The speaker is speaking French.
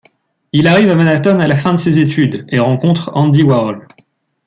Il arrive à Manhattan à la fin de ses études et rencontre Andy Warhol.